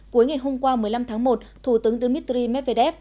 cuối ngày hôm qua một mươi năm tháng một thủ tướng dmitry medvedev